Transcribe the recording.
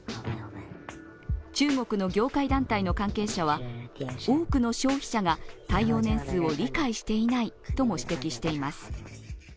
中国の業界団体の関係者は、多くの消費者が耐用年数を理解していないとも指摘しています。